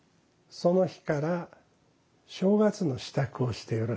その日から正月の支度をしてよろしい。